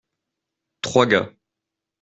Trois gars.